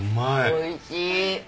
おいしい。